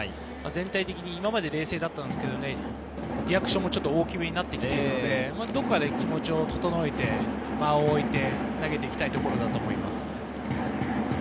全体的に今まで冷静だったんですけれど、リアクションも大きめになってきているので、どこかで気持ちを整えて投げていきたいところだと思います。